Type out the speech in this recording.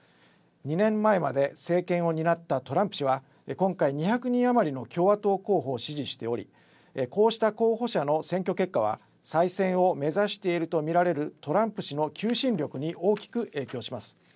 ２年前まで政権を担ったトランプ氏は今回２００人余りの共和党候補を支持しており、こうした候補者の選挙結果は再選を目指していると見られるトランプ氏の求心力に大きく影響します。